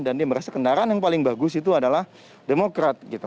dan dia merasa kendaraan yang paling bagus itu adalah demokrat